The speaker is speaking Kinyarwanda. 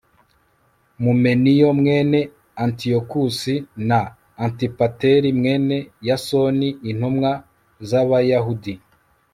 numeniyo mwene antiyokusi, na antipateri mwene yasoni, intumwa z'abayahudi